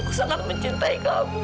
aku sangat mencintai kamu